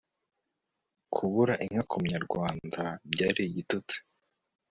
kubura inka ku munyarwanda byari igitutsi